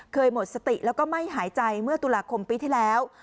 หมดสติแล้วก็ไม่หายใจเมื่อตุลาคมปีที่แล้ว